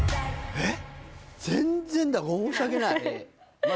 えっ？